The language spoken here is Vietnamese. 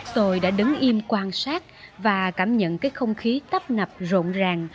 tôi đã đứng im quan sát và cảm nhận cái không khí tấp nập rộn ràng